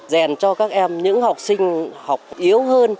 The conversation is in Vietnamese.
dèn cho các em những học sinh học yếu hơn